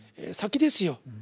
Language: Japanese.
先ですよ。